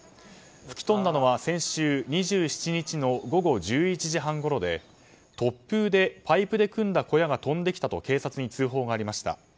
吹き飛んだのは先週２７日の午前１１時半ごろで突風でパイプで組んだ小屋が飛んできたと警察に通報がありました。